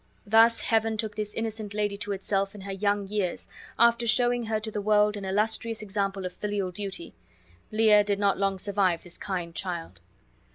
Thus heaven took this innocent lady to itself in her young years, after showing her to the world an illustrious example of filial duty. Lear did not long survive this kind child.